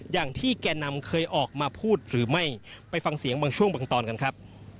อย่างที่แก่นำเคยออกมาพูดหรือไม่ไปฟังเสียงบางช่วงบางตอนกันครับ